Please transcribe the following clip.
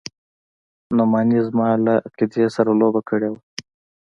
نعماني زما له عقيدې سره لوبه کړې وه.